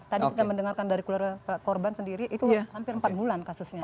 tadi kita mendengarkan dari keluarga korban sendiri itu hampir empat bulan kasusnya